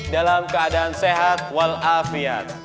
dalam keadaan sehat walafiat